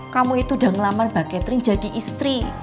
kamu itu udah ngelamar mbak catherine jadi istri